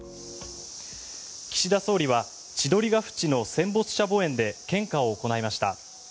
岸田総理は千鳥ヶ淵の戦没者墓苑で献花を行いました。